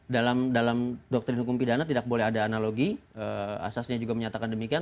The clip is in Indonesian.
dalam doktrin hukum pidana tidak boleh ada analogi asasnya juga menyatakan demikian